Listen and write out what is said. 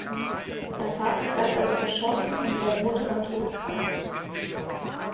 Sein Vater galt als verschollen und seine Mutter war todkrank.